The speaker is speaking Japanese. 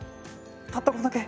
たったこれだけ？